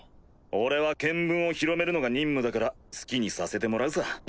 俺は見聞を広めるのが任務だから好きにさせてもらうさ。